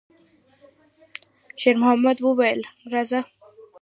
شېرمحمد وویل: «راځه!»